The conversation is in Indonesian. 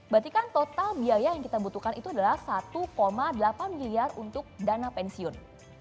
berarti kan total biaya yang kita butuhkan itu adalah satu delapan miliar untuk dana pensiun